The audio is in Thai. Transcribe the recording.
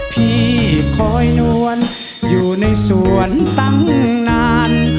พี่คอยนวลอยู่ในสวนตั้งนาน